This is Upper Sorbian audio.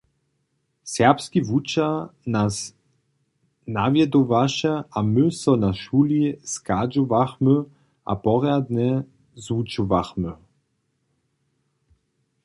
Serbski wučer nas nawjedowaše a my so na šuli schadźowachmy a porjadnje zwučowachmy.